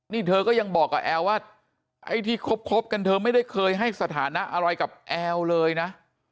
นี่เธอก็ยังบอกกับแอลว่าไอ้ที่คบกันเธอไม่ได้เคยให้สถานะอะไรกับแอลเลยนะ